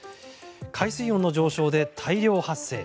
海水温の上昇で大量発生。